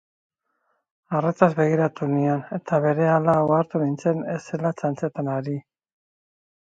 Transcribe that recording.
Arretaz begiratu nion, eta berehala ohartu nintzen ez zela txantxetan ari.